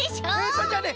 それじゃね